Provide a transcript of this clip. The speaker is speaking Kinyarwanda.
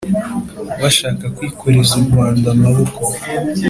bashaka kwikoreza urwanda amaboko